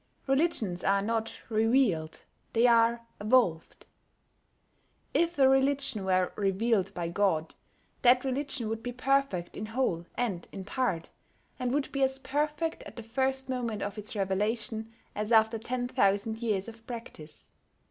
Religions are not revealed: they are evolved. If a religion were revealed by God, that religion would be perfect in whole and in part, and would be as perfect at the first moment of its revelation as after ten thousand years of practice.